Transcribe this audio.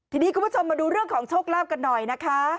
ทีนี้คุณผู้ชมมาดูเรื่องของโชคลาภกันหน่อยนะคะ